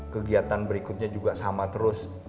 kegiatan berikutnya juga sama terus